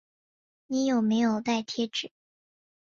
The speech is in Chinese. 你有没有带贴纸